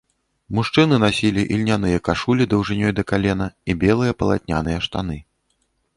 Мужчыны насілі ільняныя кашулі даўжынёй да калена і белыя палатняныя штаны.